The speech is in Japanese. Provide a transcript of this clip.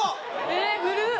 えっ古っ！